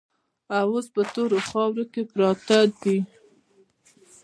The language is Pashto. او اوس په تورو خاورو کې پراته دي.